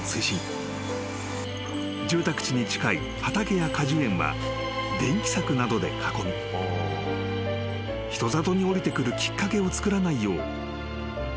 ［住宅地に近い畑や果樹園は電気柵などで囲み人里に下りてくるきっかけをつくらないよう対策を強化］